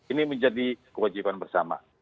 ini menjadi kewajiban bersama